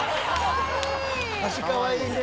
「足かわいいね」